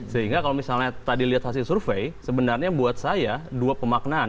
sehingga kalau misalnya tadi lihat hasil survei sebenarnya buat saya dua pemaknaan